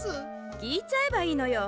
きいちゃえばいいのよ。